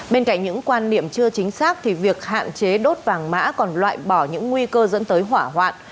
bên cạnh những quan điểm chưa chính xác thì việc hạn chế đốt vàng mã còn loại bỏ những nguy cơ dẫn tới hỏa hoạn